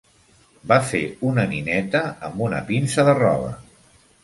Va fer una nineta amb una pinça de roba.